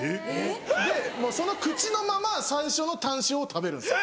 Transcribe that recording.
でもうその口のまま最初のタン塩を食べるんですよ。